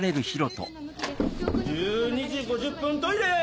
１２時５０分トイレ！